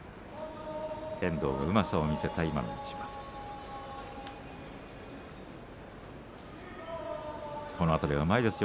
遠藤がうまさを見せた今の一番です。